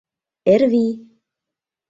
Эрвий: